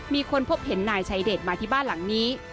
มีคนพบเห็นนายชัยเดชมาที่บ้านหลังนี้